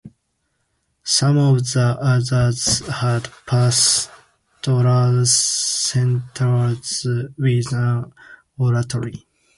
Some of the others had pastoral centres with an oratory.